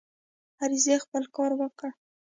عریضې خپل کار وکړ.